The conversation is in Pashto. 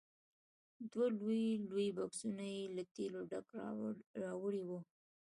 دوه لوی لوی بکسونه یې له تېلو ډک راوړي وو.